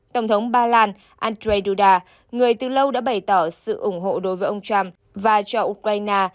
tổng thống ba lan andrzej duda người từ lâu đã bày tỏ sự ủng hộ đối với ông trump và cho ukraine